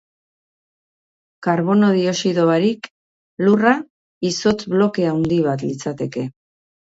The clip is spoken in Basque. Karbono dioxido barik, Lurra izotz bloke handi bat litzateke.